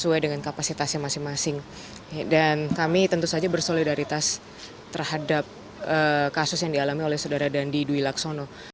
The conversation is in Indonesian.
sesuai dengan kapasitasnya masing masing dan kami tentu saja bersolidaritas terhadap kasus yang dialami oleh saudara dandi dwi laksono